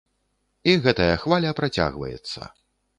І гэтая хваля працягваецца.